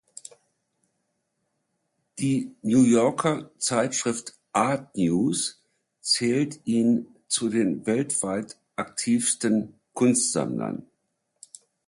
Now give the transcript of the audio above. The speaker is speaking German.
Die New Yorker Zeitschrift "Art News" zählt ihn zu den weltweit aktivsten Kunstsammlern.